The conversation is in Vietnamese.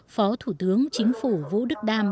phó thủ tướng chính phủ vũ đức đam